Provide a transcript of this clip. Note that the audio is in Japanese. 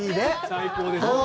最高です。